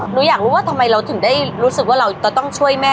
หนูอยากรู้ว่าทำไมเราต้องช่วยแม่